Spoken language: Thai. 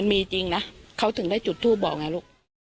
มีจริงนะเขาถึงได้จุดทูปบอกไงลูก